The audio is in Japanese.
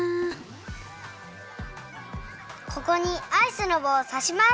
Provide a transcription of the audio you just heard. ここにアイスのぼうをさします。